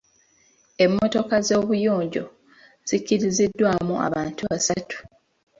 Emmotoka ez’obuyonjo zikkiriziddwamu abantu basatu.